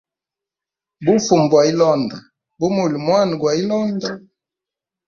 Bufumu bwa hilonda bumulya mwana gwa ilonda.